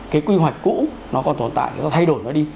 cái quy hoạch cũ nó còn tồn tại chúng ta thay đổi nó đi